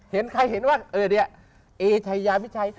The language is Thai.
เห็นใครเห็นว่าเอ๊ใช้ยาไม่ใช้